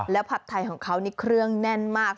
ผัดไทยของเขานี่เครื่องแน่นมาก